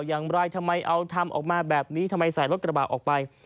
อย่างไรทำไมเอาทำออกมาแบบนี้ทำไมใส่รถกระบะออกไป